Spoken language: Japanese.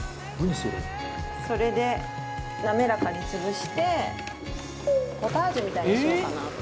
それで滑らかに潰してポタージュみたいにしようかなと。